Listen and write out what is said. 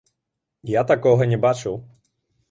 Я такога не бачыў.